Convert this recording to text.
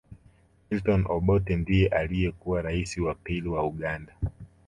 Milton Obote ndiye aliyekuwa raisi wa pili wa Uganda